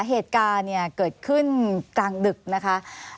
เหตุการณ์เนี่ยเกิดขึ้นกลางดึกนะคะ